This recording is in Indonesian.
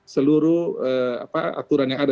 seluruh aturan yang ada